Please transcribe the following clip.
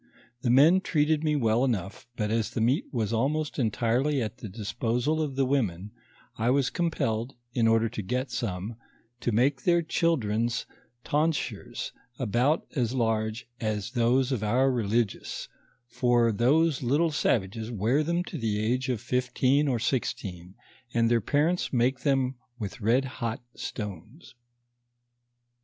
The men treated me well enough, but as the meat was almost entirely at the disposal of the women, I was compelled, in order to get some, to make their children's ton sures, about as large as those of our religious, for these little savages wear them to the age of fifteen or sixteen, and their parents make them with red hot stones.